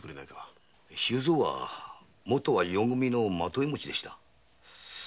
周蔵はもとは「よ組」の纏もちでした。